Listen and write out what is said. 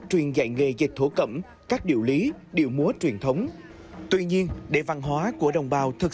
truyền dạy nghề dệt thổ cẩm các điệu lý điệu múa truyền thống tuy nhiên để văn hóa của đồng bào thực